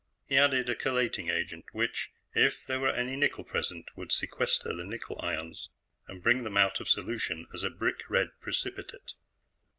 He added a chelating agent which, if there were any nickel present, would sequester the nickel ions and bring them out of solution as a brick red precipitate.